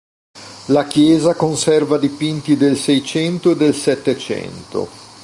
La chiesa conserva dipinti del Seicento e del Settecento.